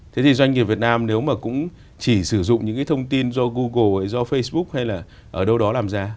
thế thì doanh nghiệp việt nam nếu mà cũng chỉ sử dụng những cái thông tin do google do facebook hay là ở đâu đó làm ra